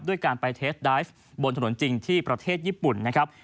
ด้วยการไปเทสไดฟ์บนถนนจริงที่ประเทศญี่ปุ่นนะครับ